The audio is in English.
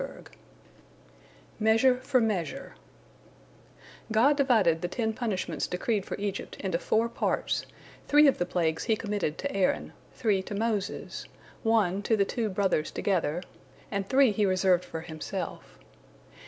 MEASURE FOR MEASURE God divided the ten punishments decreed for Egypt into four parts, three of the plagues He committed to Aaron, three to Moses, one to the two brothers together, and three He reserved for Himself.